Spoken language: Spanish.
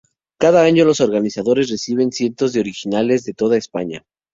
Cada año los organizadores reciben cientos de originales de toda España.